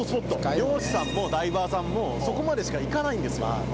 漁師さんもダイバーさんもそこまでしか行かないんですよ。